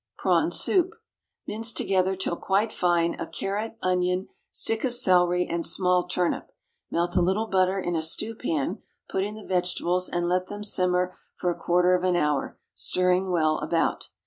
=Prawn Soup.= Mince together till quite fine, a carrot, onion, stick of celery, and small turnip. Melt a little butter in a stewpan, put in the vegetables and let them simmer for a quarter of an hour, stirring well about.